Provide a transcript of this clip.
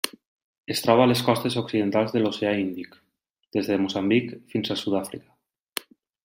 Es troba a les costes occidentals de l'Oceà Índic: des de Moçambic fins a Sud-àfrica.